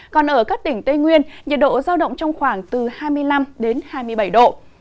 còn ở các tỉnh tây nguyên nhiệt độ giao động trong khoảng từ hai mươi năm đến hai mươi bảy độ